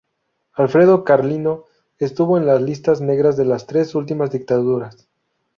Alfredo Carlino estuvo en las listas negras de las tres últimas dictaduras.